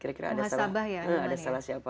ada salah siapa